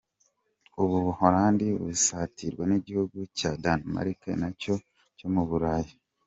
U Buholandi busatirwa n’igihugu cya Denmark, na cyo cyo mu Burayi.